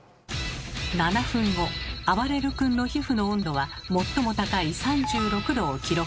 ７分後あばれる君の皮膚の温度は最も高い３６℃を記録。